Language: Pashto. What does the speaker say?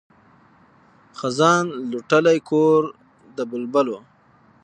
خزان لوټلی کور د بلبلو